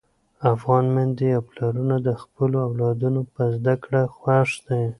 افغان میندې او پلرونه د خپلو اولادونو په زده کړو خوښ دي.